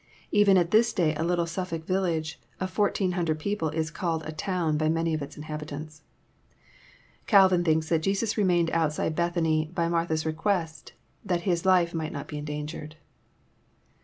Even at this day a little Suffolk village of 1,400 people, is called a " town" by many of Its inhabitants. Calvin thinks that Jesns remained ontside Bethany by Mar* tha's request, that His life might not be endangered. Zl.